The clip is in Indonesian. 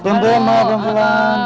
belum pulang ma belum pulang